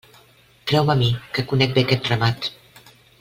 Creu-me a mi, que conec bé aquest ramat.